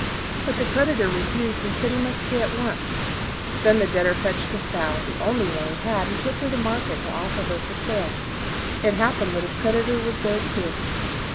But the creditor refused and said he must pay at once. Then the Debtor fetched a Sow the only one he had and took her to market to offer her for sale. It happened that his creditor was there too.